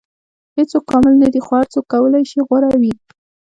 • هیڅوک کامل نه دی، خو هر څوک کولی شي غوره وي.